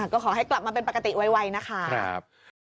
ก็ขอให้กลับมาเป็นปกติไวนะคะ